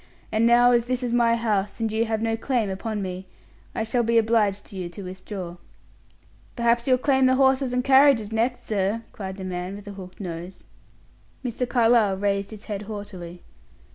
And now, as this is my house, and you have no claim upon me, I shall be obliged to you to withdraw." "Perhaps you'll claim the horses and carriages next, sir," cried the man with the hooked nose. Mr. Carlyle raised his head haughtily.